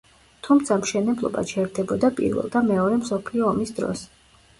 თუმცა მშენებლობა ჩერდებოდა პირველ და მეორე მსოფლიო ომის დროს.